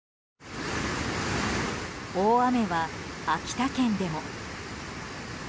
大雨は秋田県でも。